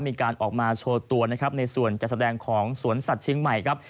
มีการออกมาโชว์ตัวนะครับในส่วนจัดแสดงของสวนสัตว์เชียงใหม่ครับ